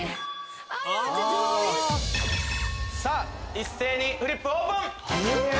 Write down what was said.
一斉にフリップオープン！